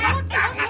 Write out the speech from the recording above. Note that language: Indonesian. eh eh jangan